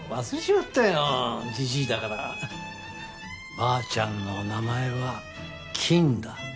ばあちゃんの名前はきんだ。